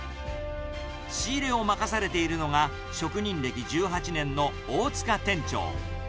仕入れを任されているのが、職人歴１８年の大塚店長。